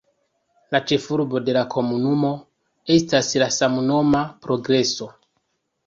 La ĉefurbo de la komunumo estas la samnoma Progreso.